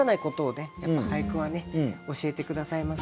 やっぱ俳句はね教えて下さいますから。